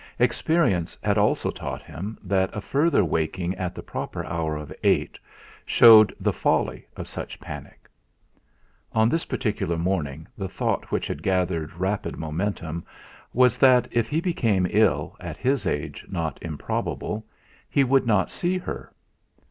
Experience had also taught him that a further waking at the proper hour of eight showed the folly of such panic. On this particular morning the thought which gathered rapid momentum was that if he became ill, at his age not improbable, he would not see her.